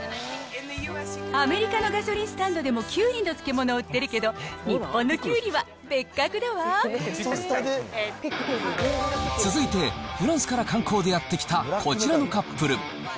アメリカのガソリンスタンドでもキュウリの漬物売ってるけど続いて、フランスから観光でやって来たこちらのカップル。